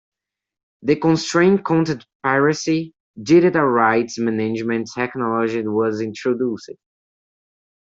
To constrain content piracy, digital rights management technology was introduced.